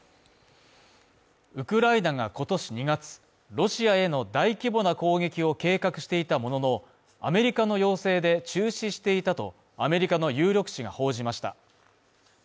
ウクライナが今年２月、ロシアへの大規模な攻撃を計画していたものの、アメリカの要請で中止していたと、アメリカの有力紙が報じました。